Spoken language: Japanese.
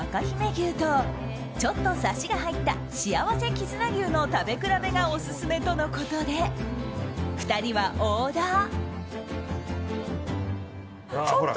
牛とちょっとサシが入ったしあわせ絆牛の食べ比べがオススメとのことで２人はオーダー。